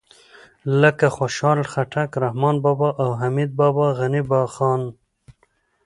لکه خوشحال خټک، رحمان بابا او حمید بابا، غني خان